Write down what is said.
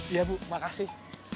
iya bu makasih